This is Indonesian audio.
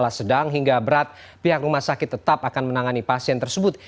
setelah sedang hingga berat pihak rumah sakit tetap akan menangani pasien tersebut